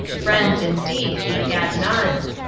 "f^ioids,*' indeed, he had none.